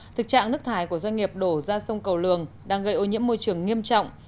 thực trạng nước thải của doanh nghiệp đổ ra sông cầu lường đang gây ô nhiễm môi trường nghiêm trọng